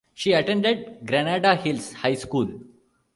She attended Granada Hills High School.